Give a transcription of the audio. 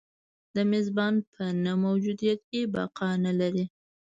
د میزبان په نه موجودیت کې بقا نه لري.